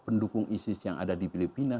pendukung isis yang ada di filipina